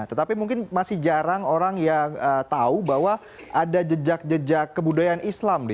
tetapi mungkin masih jarang orang yang tahu bahwa ada jejak jejak kebudayaan islam di